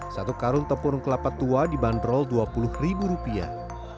satu karung tepung kelapa tua dibanderol dua puluh ribu rupiah